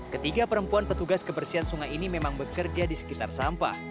ketiga perempuan petugas kebersihan sungai ini memang bekerja di sekitar sampah